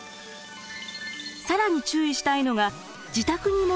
更に注意したいのが自宅に戻るタイミング。